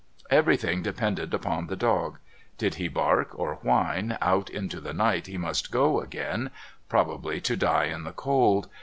Everything depended upon the dog. Did he bark or whine, out into the night he must go again, probably to die in the cold.